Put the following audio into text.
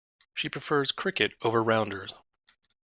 She prefers cricket over rounders.